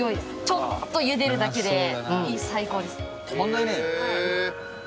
ちょっとゆでるだけで最高ですね。